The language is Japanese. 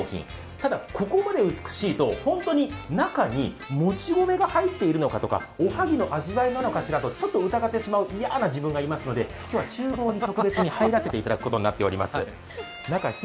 ただ、ここまで美しいと本当に中にもち米が入っているのかとか、おはぎの味わいなのかとちょっと疑ってしまう嫌な自分がいますので今日はちゅう房に特別に入らせていただくことになっております。